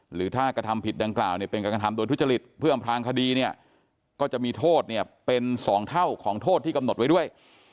หรือถ้ากระทำผิดดังกล่าวเนี่ยเป็นการกระทำโดยทุจริตเพื่ออำพลางคดีเนี่ยก็จะมีโทษเนี่ยเป็น๒เท่าของโทษที่กำหนดไว้ด้วย